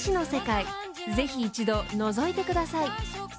ぜひ一度のぞいてください］